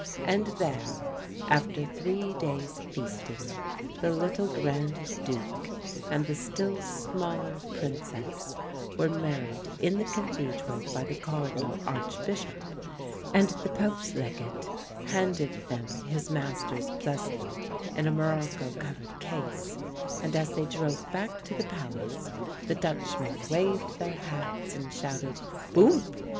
And there, after three days' feasting, the little Grand Duke and the still smaller Princess were married in the Cathedral by the Cardinal Archbishop, and the Pope's legate handed them his master's blessing in a morocco covered case, and as they drove back to the Palace the Dutchmen waved their hats and shouted "Boo mp!"